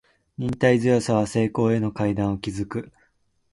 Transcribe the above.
忍耐強さは成功への階段を築く